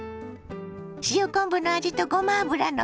塩昆布の味とごま油の風味。